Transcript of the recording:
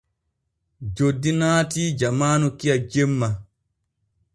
Joddi naatii jamaanu kiya jemma.